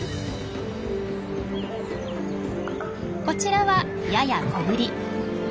こちらはやや小ぶり。